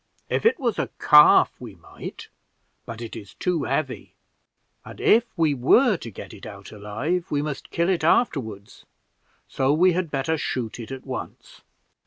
If it was a calf, we might; but it is too heavy, and if we were to get it out alive, we must kill it after ward, so we had better shoot it at once."